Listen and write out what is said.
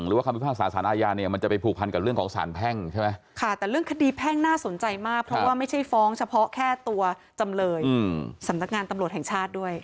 เดี๋ยวรอดูกันต่อกันแล้วกันนะฮะ